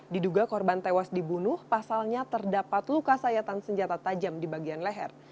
diduga korban tewas dibunuh pasalnya terdapat luka sayatan senjata tajam di bagian leher